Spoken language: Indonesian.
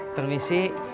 si ojak tekemas